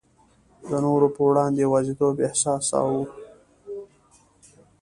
د نورو په وړاندي یوازیتوب احساسوو.